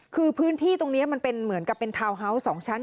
คือพื้นที่ตรงนี้มันเป็นเหมือนกับเป็นทาวน์ฮาวส์๒ชั้น